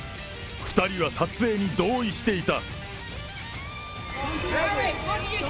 ２人は撮影に同意していた。